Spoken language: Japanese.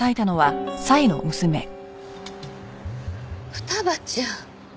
二葉ちゃん。